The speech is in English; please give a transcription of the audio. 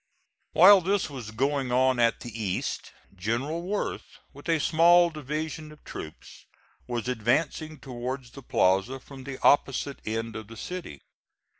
While this was going on at the east, General Worth, with a small division of troops, was advancing towards the plaza from the opposite end of the city.